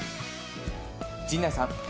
陣内さん。